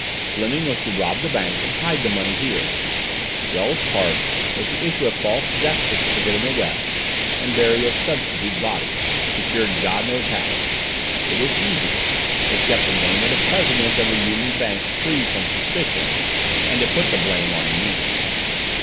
Fleming was to rob the bank and hide the money here. Wells's part was to issue a false death certificate in the West, and bury a substitute body, secured God knows how. It was easy; it kept the name of the president of the Union Bank free from suspicion and it put the blame on me."